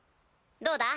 どうだ？